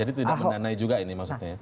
jadi tidak mendanai juga ini maksudnya ya